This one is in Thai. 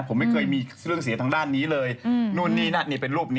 ผมไม่เคยมีเครื่องเสียทางด้านนี้เลยนู่นนี่นั่นนี่เป็นรูปนี้